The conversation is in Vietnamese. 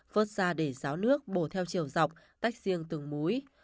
vớt ra để ráo nước bổ theo chiều dọc tách riêng từng múi